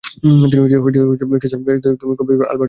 তিনি ক্যোনিগসবের্গ, “আলবার্টিনা”য় ভর্তি হন।